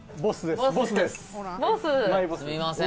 ボスすみません